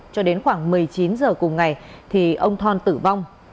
cho đến khoảng một mươi chín h cùng ngày thì ông thon tử vong